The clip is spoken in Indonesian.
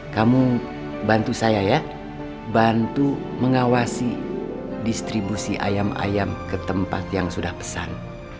kamu bantu saya ya bantu mengawasi distribusi ayam ayam ke tempat yang sudah pesan